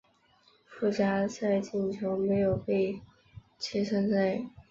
附加赛进球没有被计算在内。